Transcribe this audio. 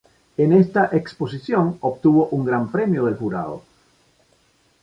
En esta exposición obtuvo un gran premio del jurado.